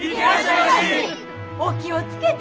お気を付けて！